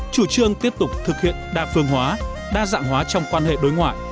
chủ trương tiếp tục thực hiện đa phương hóa đa dạng hóa trong quan hệ đối ngoại